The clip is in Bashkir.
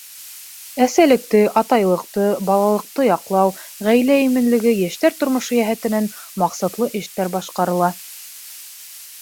— Әсәлекте, атайлыҡты, балалыҡты яҡлау, ғаилә именлеге, йәштәр тормошо йәһәтенән маҡсатлы эштәр башҡарыла.